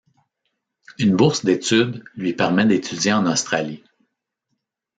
Une bourse d'études lui permet d'étudier en Australie.